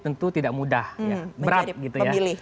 tentu tidak mudah ya berat gitu ya